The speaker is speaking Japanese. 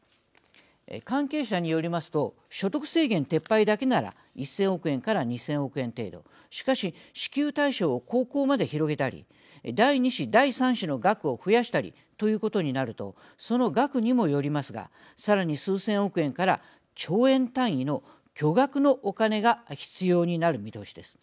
関係者によりますと所得制限撤廃だけなら１０００億から２０００億円程度しかし、支給対象を高校まで広げたり第２子、第３子の額を増やしたりということになるとその額にもよりますがさらに数千億円から兆円単位の巨額のお金が必要になる見通しです。